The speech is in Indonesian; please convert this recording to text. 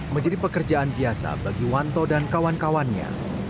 menjadi pekerjaan biasa bagi wanto dan kawan kawannya